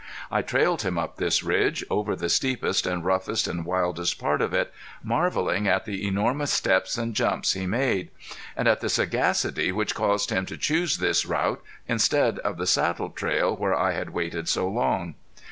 I trailed him up this ridge, over the steepest and roughest and wildest part of it, marveling at the enormous steps and jumps he made, and at the sagacity which caused him to choose this route instead of the saddle trail where I had waited so long.